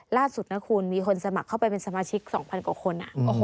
ล่าสุดนะคุณมีคนสมัครเข้าไปเป็นสมาชิก๒๐๐กว่าคน